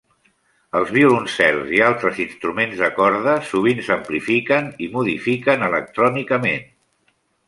Els violoncels i altres instruments de corda sovint s'amplifiquen i modifiquen electrònicament.